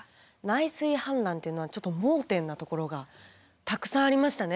内水氾濫っていうのはちょっと盲点なところがたくさんありましたね。